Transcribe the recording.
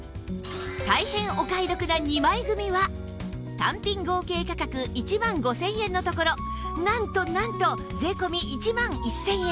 大変お買い得な２枚組は単品合計価格１万５０００円のところなんとなんと税込１万１０００円